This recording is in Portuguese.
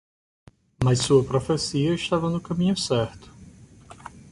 Mas sua profecia estava no caminho certo.